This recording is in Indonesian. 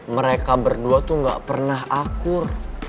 mereka berdua tuh gak pernah akur